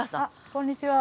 こんにちは。